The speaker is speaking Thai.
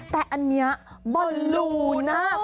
แต่อันนี้บอลลูน่า